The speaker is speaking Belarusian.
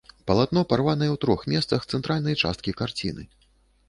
Палатно парванае ў трох месцах цэнтральнай часткі карціны.